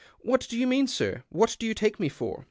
—" What do you mean, sir ? What do you take me for